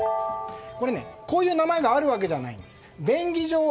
こういう名前があるんじゃないんです。